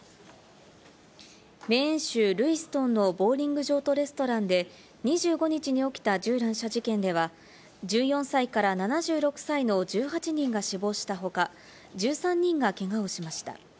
メーン州ルイストンのボウリング場とレストランで２５日に起きた銃乱射事件では１４歳から７６歳の１８人が死亡した他、１３人がけがをしました。